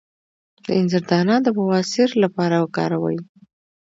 د انځر دانه د بواسیر لپاره وکاروئ